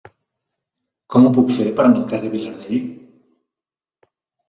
Com ho puc fer per anar al carrer de Vilardell?